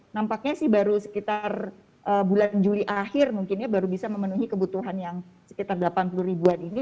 nampaknya sih baru sekitar bulan juli akhir mungkinnya baru bisa memenuhi kebutuhan yang sekitar delapan puluh ribuan ini